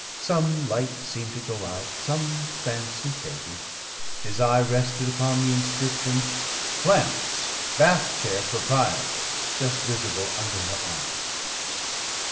Some light seemed to go out, some fancy faded. His eye rested upon the inscription, "Flamps, Bath Chair Proprietor," just visible under her arm.